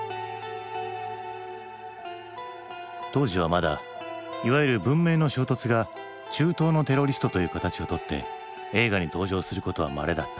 当時はまだいわゆる「文明の衝突」が「中東のテロリスト」という形をとって映画に登場することはまれだった。